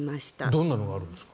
どんなのがあるんですか？